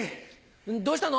どうしたの？